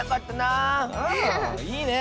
あいいね。